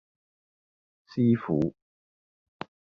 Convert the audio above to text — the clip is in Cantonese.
師傅